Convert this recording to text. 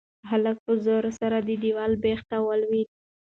هلک په زور سره د دېوال بېخ ته ولوېد.